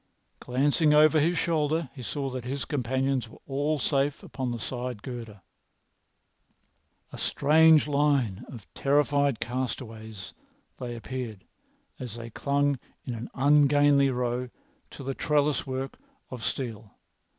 Glancing over his shoulder, he saw that his companions were all safe upon the side girder. A strange line of terrified castaways they appeared as they clung in an ungainly row to the trellis work of steel.